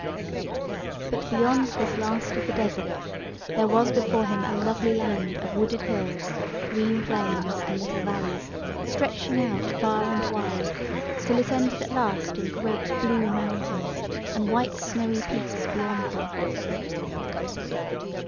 But beyond this last of the desert there was before him a lovely land of wooded hills, green plains, and little valleys, stretching out far and wide, till it ended at last in great blue mountains and white snowy peaks beyond them.